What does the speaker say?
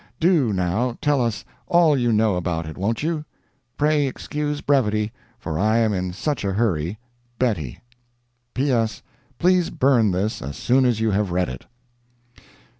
Do, now, tell us all you know about it, won't you? Pray excuse brevity, for I am in such a hurry. BETTIE. "P. S.—Please burn this as soon as you have read it."